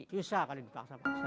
susah kalau dipaksa paksa